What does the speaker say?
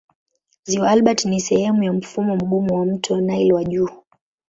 Ziwa Albert ni sehemu ya mfumo mgumu wa mto Nile wa juu.